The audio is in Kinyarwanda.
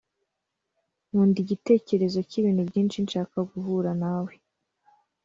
nkunda igitekerezo cyibintu byinshi nshaka guhura nawe